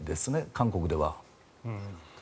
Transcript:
韓国では。